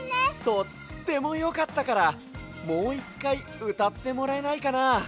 とってもよかったからもう１かいうたってもらえないかな？